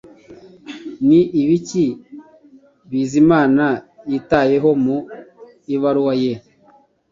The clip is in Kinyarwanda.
Ni ibiki Bizimana yitayeho mu ibaruwa ye?